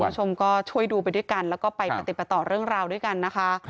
คุณผู้ชมก็ช่วยดูไปด้วยกันแล้วก็ไปปฏิปต่อเรื่องราวด้วยกันนะคะ